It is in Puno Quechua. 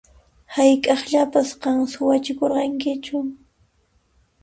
Hayk'aqllapas qan suwachikurqankichu?